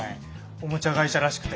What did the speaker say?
おもちゃ会社らしくて。